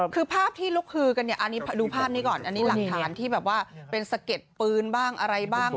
คือภาพที่ลุกฮือกันเนี่ยอันนี้ดูภาพนี้ก่อนอันนี้หลักฐานที่แบบว่าเป็นสะเก็ดปืนบ้างอะไรบ้าง